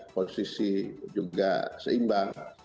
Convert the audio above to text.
posisi juga seimbang